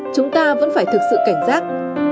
chúng ta vẫn phải thực sự cảnh giác